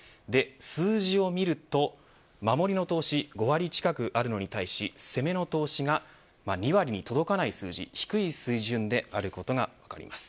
数字を見ると守りの投資、５割近くあるのに対し攻めの投資が２割に届かない数字低い水準であることがあります。